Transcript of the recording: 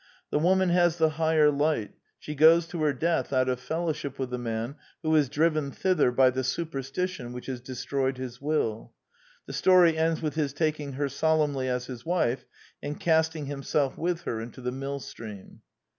The woman has the higher light: she goes to her death out of fellowship with the man who is driven thither by the superstition which has de stroyed his will. The story ends with his taking her solemnly as his wife, and casting himself with her into the millstream.